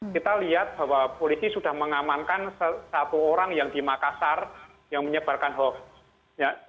kita lihat bahwa polisi sudah mengamankan satu orang yang di makassar yang menyebarkan hoax